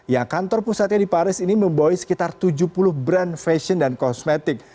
ya kantor pusatnya di paris ini memboy sekitar tujuh puluh brand fashion dan kosmetik